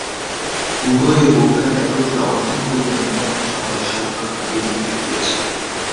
উভয়ে বহুকাল একত্রে অবস্থান করিয়া নিতান্ত সহজ সাধারণ ভাবেই দিন কাটিয়াছে।